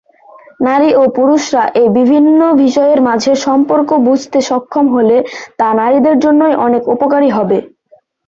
নারী ও পুরুষরা এই বিভিন্ন বিষয়ের মাঝের সম্পর্ক বুঝতে সক্ষম হলে তা নারীবাদের জন্যই অনেক উপকারী হবে।